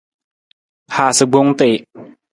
Haasa gbong tii.